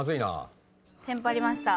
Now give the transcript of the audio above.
テンパりました。